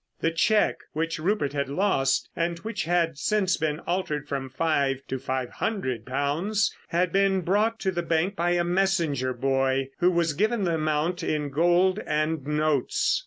The cheque which Rupert had lost and which had since been altered from five to five hundred pounds, had been brought to the bank by a messenger boy, who was given the amount in gold and notes.